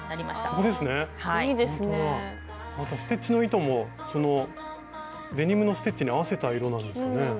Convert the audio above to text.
またステッチの糸もデニムのステッチに合わせた色なんですよね。